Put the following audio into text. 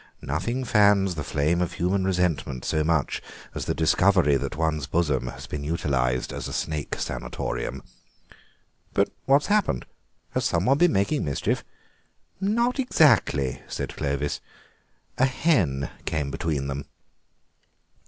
Nothing fans the flame of human resentment so much as the discovery that one's bosom has been utilised as a snake sanatorium." "But what has happened? Has some one been making mischief?" "Not exactly," said Clovis; "a hen came between them."